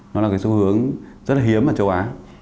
nó là cái xu hướng rất là hiếm ở châu á